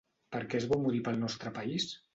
Per què és bo morir pel nostre país?